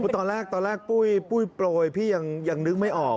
ตอนแรกปุ้ยโปรยพี่ยังนึกไม่ออก